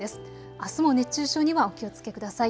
あすも熱中症にはお気をつけください。